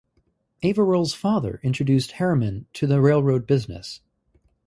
Averell's father introduced Harriman to the railroad business.